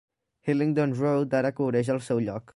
Hillingdon Road ara cobreix el seu lloc.